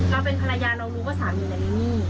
เขาเป็นภรรยานองค์ลูกว่าสามีในนี้